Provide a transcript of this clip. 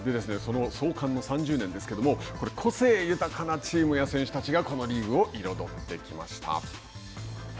その総観の３０年ですが個性豊かなチームや選手たちがこのリーグを彩ってきました。